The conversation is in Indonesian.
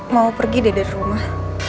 mau pergi dari rumah